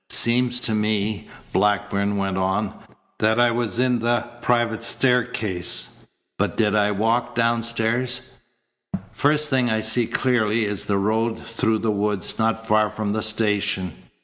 "Seems to me," Blackburn went on, "that I was in the private staircase, but did I walk downstairs? First thing I see clearly is the road through the woods, not far from the station."